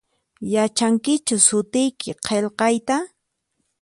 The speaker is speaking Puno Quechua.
Yachankichu sutiyki qilqayta?